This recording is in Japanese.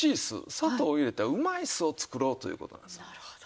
砂糖を入れたうまい酢を作ろうという事なんですよ。